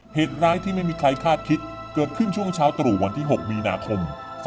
เหตุร้ายที่ไม่มีใครคาดคิดเกิดขึ้นช่วงเช้าตรู่วันที่๖มีนาคม๒๕๖